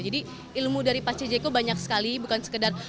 jadi ilmu dari pak c jeko banyak sekali bukan sekedar